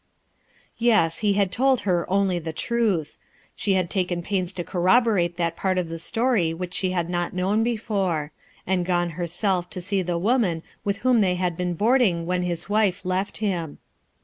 Yea, he had told her only the truth. She had taken pains to corroborate that part of the story which she had not known before; had gone herself to see the woman with whom they had been boarding when his wife left him.